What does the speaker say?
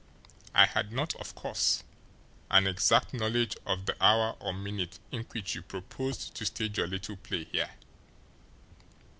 I had not, of course, an exact knowledge of the hour or minute in which you proposed to stage your little play here.